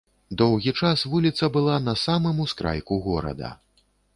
Доўгі час вуліца была на самым ускрайку горада.